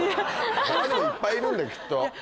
他にもいっぱいいるんだよきっと。